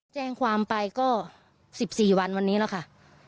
แจ้งความไปก็๑๔วันวันนี้แล้วค่ะ